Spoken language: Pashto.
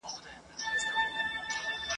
هر سړی یې تر نظر پک او پمن وي !.